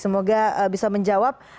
semoga bisa menjawab